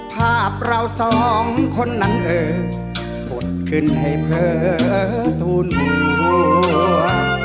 ภาพเราสองคนนั้นเอออดขึ้นให้เผลอทุนหัว